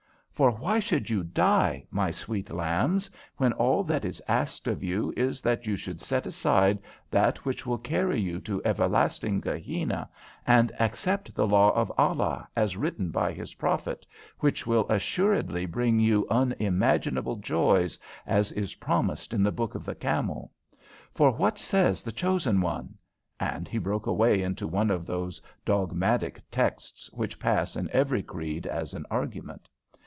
"For why should you die, my sweet lambs, when all that is asked of you is that you should set aside that which will carry you to everlasting Gehenna, and accept the law of Allah as written by His prophet, which will assuredly bring you unimaginable joys, as is promised in the Book of the Camel? For what says the chosen one?" and he broke away into one of those dogmatic texts which pass in every creed as an argument.